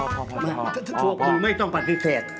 ผมไม่ต้องปฏิเสธ